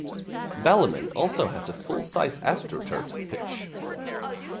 Ballymun also has a full size astroturf pitch.